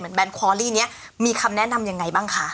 แบนควอรี่นี้มีคำแนะนำยังไงบ้างคะ